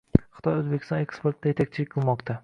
Xitoy O‘zbekiston eksportida yetakchilik qilmoqda